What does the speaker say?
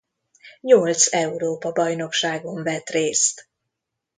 Nyolc Európa-bajnokságon vett részt.